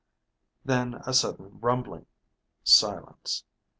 Then a sudden rumbling. Silence.